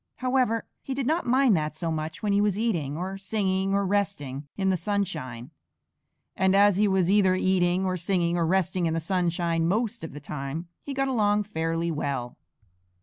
However, he did not mind that so much when he was eating, or singing, or resting in the sunshine, and as he was either eating, or singing, or resting in the sunshine most of the time, he got along fairly well.